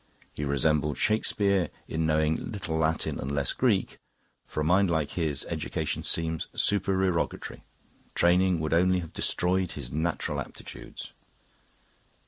He resembled Shakespeare in knowing little Latin and less Greek. For a mind like his, education seemed supererogatory. Training would only have destroyed his natural aptitudes.